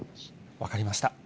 分かりました。